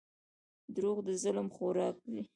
• دروغ د ظلم خوراک وي.